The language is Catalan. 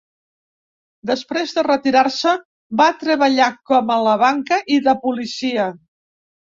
Després de retirar-se va treballar com a la banca i de policia.